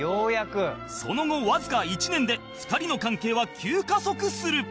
その後わずか１年で２人の関係は急加速する